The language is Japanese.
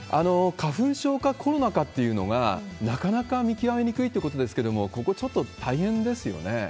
花粉症かコロナ禍っていうのがなかなか見極めにくいということですけれども、ここ、ちょっと大変ですよね。